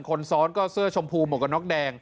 คนซ้อนก็เสื้อชมพูหมวกกันน็อกแดง